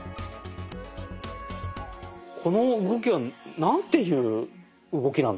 この動きは何ていう動きなんですか？